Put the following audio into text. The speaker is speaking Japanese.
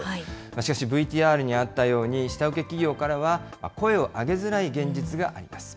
しかしＶＴＲにあったように、下請け企業からは声を上げづらい現実があります。